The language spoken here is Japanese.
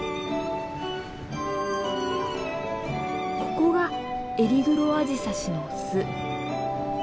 ここがエリグロアジサシの巣。